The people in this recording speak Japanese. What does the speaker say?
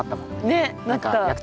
ねっなった。